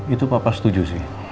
itu papa setuju sih